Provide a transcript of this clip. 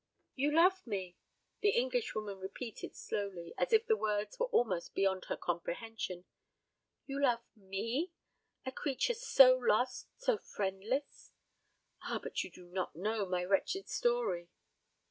"You love me," the Englishwoman repeated slowly, as if the words were almost beyond her comprehension, "you love me, a creature so lost, so friendless! Ah, but you do not know my wretched story!"